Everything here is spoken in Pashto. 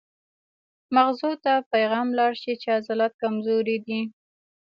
مزغو ته پېغام لاړ شي چې عضلات کمزوري دي